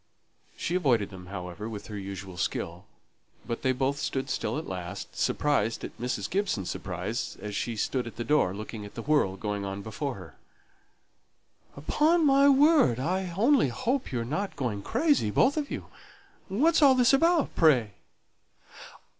She avoided them, however, with her usual skill; but they both stood still at last, surprised at Mrs. Gibson's surprise, as she stood at the door, looking at the whirl going on before her. "Upon my word, I only hope you are not going crazy, both of you! What's all this about, pray?"